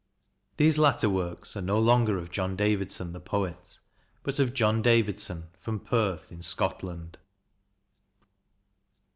These latter works are no longer of John Davidson the poet, but of John Davidson from Perth in Scotland.